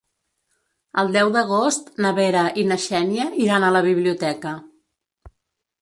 El deu d'agost na Vera i na Xènia iran a la biblioteca.